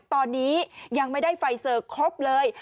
ตอนนี้ยังไม่ได้ไฟเซอร์ครบเลย